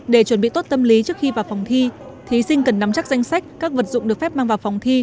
để chuẩn bị tốt tâm lý trước khi vào phòng thi thí sinh cần nắm chắc danh sách các vật dụng được phép mang vào phòng thi